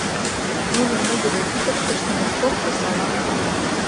Нунын нугыдо йӱкыштышт мый шокшо саламым колам...